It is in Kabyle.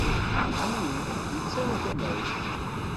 Ḥnin, yettarra tamawt.